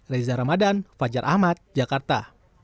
reza ramadan fajar ahmad jakarta